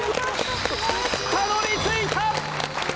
たどり着いた！